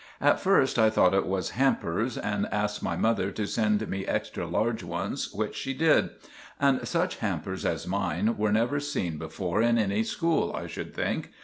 At first I thought it was hampers and asked my mother to send me extra large ones, which she did; and such hampers as mine were never seen before in any school, I should think.